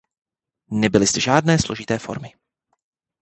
Nebyly zde žádné složité formy.